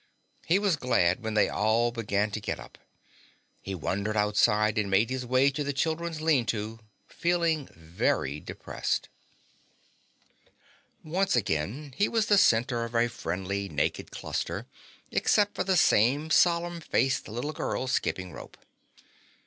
He was glad when they all began to get up. He wandered outside and made his way to the children's lean to, feeling very depressed. Once again he was the center of a friendly naked cluster, except for the same solemn faced little girl skipping rope.